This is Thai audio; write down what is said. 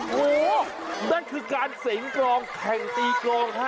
โอ้โหนั่นคือการเสียงกรองแข่งตีกรองฮะ